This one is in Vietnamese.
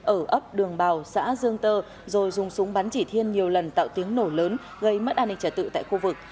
ở ấp đường bào xã dương tơ rồi dùng súng bắn chỉ thiên nhiều lần tạo tiếng nổ lớn gây mất an ninh trả tự tại khu vực